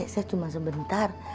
saya cuma sebentar